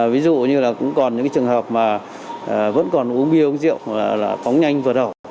ví dụ như là cũng còn những trường hợp mà vẫn còn uống bia uống rượu phóng nhanh vượt hậu